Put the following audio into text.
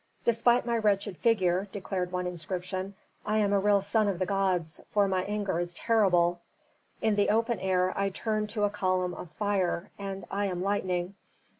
"Despite my wretched figure," declared one inscription, "I am a real son of the gods, for my anger is terrible. "In the open air I turn to a column of fire, and I am lightning.